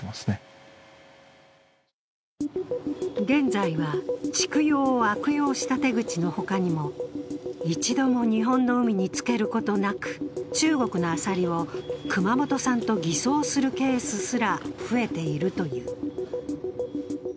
現在は蓄養を悪用した手口のほかにも一度も日本の海につけることなく、中国のアサリを熊本産と偽装するケースすら増えているという。